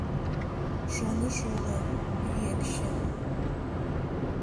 Шоныш уло — Ӱэкче